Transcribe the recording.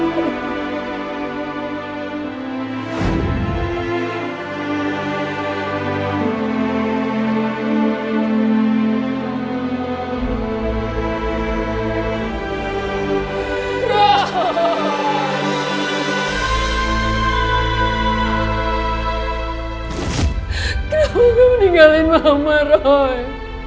kenapa kau meninggalin mama roy